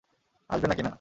আসবে নাকি না?